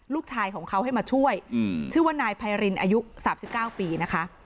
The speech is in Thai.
ลูกชายของเขาให้มาช่วยชื่อว่านายไพรินอายุ๓๙ปีนะคะ